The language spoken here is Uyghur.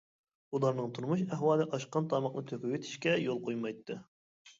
ئۇلارنىڭ تۇرمۇش ئەھۋالى ئاشقان تاماقنى تۆكۈۋېتىشكە يول قويمايتتى.